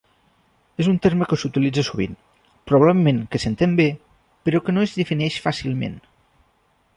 És un terme que s'utilitza sovint, probablement que s'entén bé, però que no es defineix fàcilment.